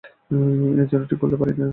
এ যেন– ঠিক বলতে পারি নে কী রকম।